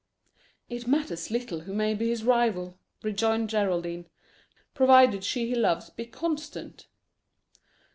"It matters little who may be his rival," rejoined Geraldine, "provided she he loves be constant."